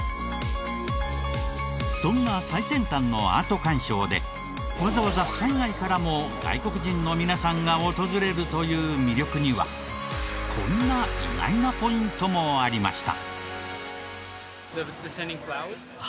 そんな最先端のアート鑑賞でわざわざ海外からも外国人の皆さんが訪れるという魅力にはこんな意外なポイントもありました。